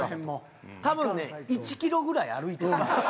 多分ね１キロぐらい歩いてるよ。